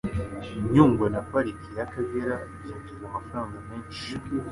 Nyungwe na Pariki y'Akagera byinjiza amafaranga menshi